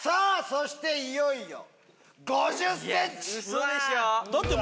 そしていよいよ。